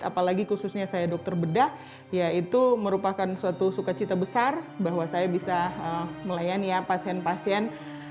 apalagi khususnya saya dokter bedah ya itu merupakan suatu sukacita besar bahwa saya bisa melayani ya pasien pasien